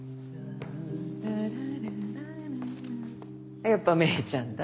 あっやっぱ芽依ちゃんだ。